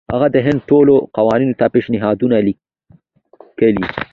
هغه د هند ټولو قوتونو ته پېشنهادونه لېږلي.